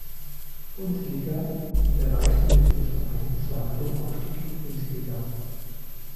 Bundesliga und erreichte mit dem Verein zweimal den Aufstieg in die Bundesliga.